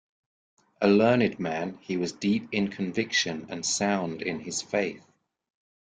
A learned man, he was deep in conviction and sound in his faith.